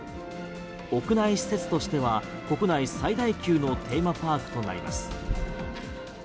屋内施設としては国内最大級のテーマパークとなります。